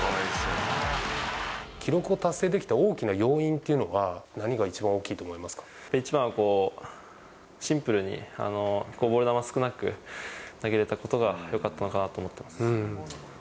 記録を達成できた大きな要因っていうのは何が一番大きいと思一番はシンプルに、ボール球少なく投げれたことが、よかったのかなと思ってます。